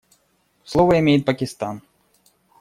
Слово имеет Пакистан.